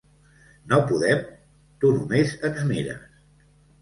No podem? Tu només ens mires.